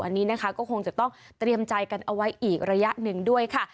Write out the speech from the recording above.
อันนี้นะคะก็คงจะต้องเตรียมใจกันเอาไว้อีกระยะหนึ่งด้วยค่ะ